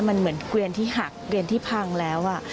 มันเหมือนเกวียนที่หักเกวียนที่พังแล้ว